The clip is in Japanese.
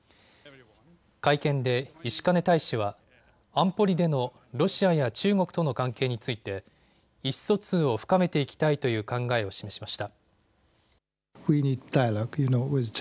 会見で石兼大使は安保理でのロシアや中国との関係について意思疎通を深めていきたいという考えを示しました。